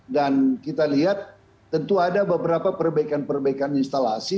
dan kita lihat tentu ada beberapa perbaikan perbaikan instalasi